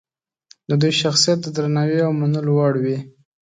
د دوی شخصیت د درناوي او منلو وړ وي.